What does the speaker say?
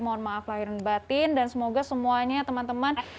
mohon maaf lahirin batin dan semoga semuanya teman teman